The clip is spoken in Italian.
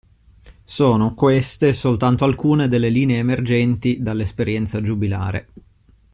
Sono, queste, soltanto alcune delle linee emergenti dall'esperienza giubilare.